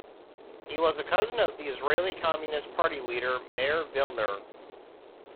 He was a cousin of the Israeli Communist Party leader Meir Vilner.